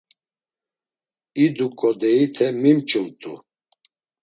İduǩo deyite mimç̌umt̆u.